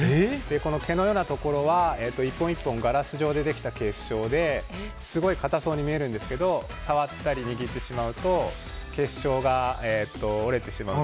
この毛のようなところは１本１本ガラス状でできた結晶ですごい硬そうに見えるんですけど触ったり握ってしまうと結晶が折れてしまう